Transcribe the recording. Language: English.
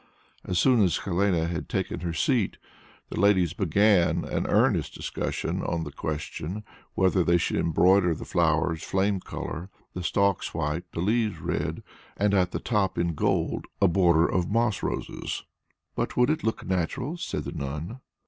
As soon as Helene had taken her seat the ladies began an earnest discussion on the question whether they should embroider the flowers flame colour, the stalks white, the leaves red, and at the top in gold a border of moss roses. "But would it look natural?" said the nun.